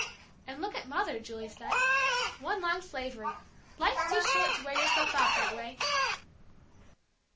"And look at Mother," Julie said. "One long slavery! Life's too short to wear yourself out that way!"